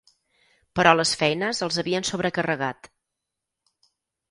Però les feines els havien sobrecarregat.